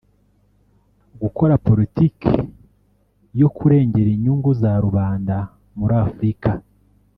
Gukora politiki yo kurengera inyungu za rubanda muri Afurika